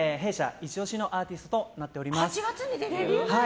イチ押しのアーティストとなっております。